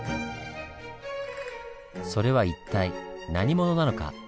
それは一体何者なのか？